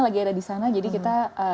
lagi ada di sana jadi kita